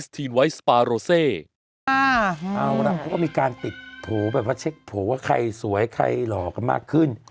เขาก็มีการติดโผล่แบบว่าเช็คโผล่ว่าใครสวยใครหลอกกันมากขึ้น